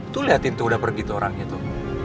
tuh liatin tuh udah pergi tuh orangnya tuh